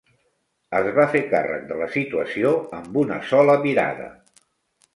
Es va fer càrrec de la situació amb una sola mirada